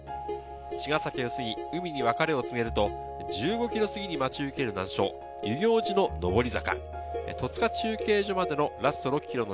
茅ヶ崎を過ぎ、海に別れを告げると、１５ｋｍ過ぎに待ち受ける難所、遊行寺の上り坂。